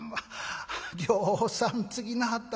ぎょうさんつぎなはったな。